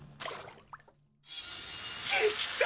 できた！